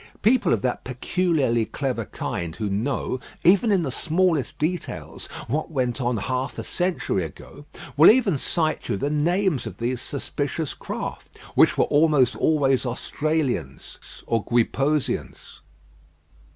People of that peculiarly clever kind who know, even in the smallest details, what went on half a century ago, will even cite you the names of these suspicious craft, which were almost always Austrians or Guiposeans.